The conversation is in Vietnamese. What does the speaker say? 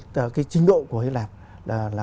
trình độ của hy lạp là